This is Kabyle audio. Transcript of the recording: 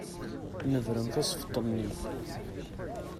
Nebren tasfeḍt-nni.